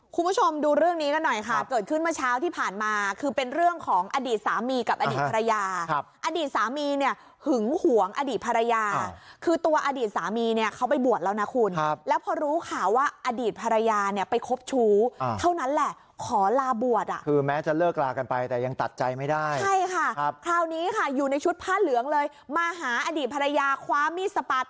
คุณผู้ชมดูเรื่องนี้กันหน่อยค่ะเกิดขึ้นเมื่อเช้าที่ผ่านมาคือเป็นเรื่องของอดีตสามีกับอดีตภรรยาครับอดีตสามีเนี่ยหึงหวงอดีตภรรยาคือตัวอดีตสามีเนี่ยเขาไปบวชแล้วนะคุณครับแล้วพอรู้ข่าวว่าอดีตภรรยาเนี่ยไปคบชู้เท่านั้นแหละขอลาบวชอ่ะคือแม้จะเลิกลากันไปแต่ยังตัดใจไม่ได้ใช่ค่ะครับคราวนี้ค่ะอยู่ในชุดผ้าเหลืองเลยมาหาอดีตภรรยาคว้ามีดสปาต